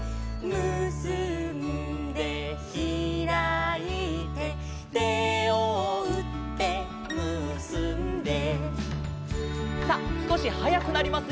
「むすんでひらいて」「手をうってむすんで」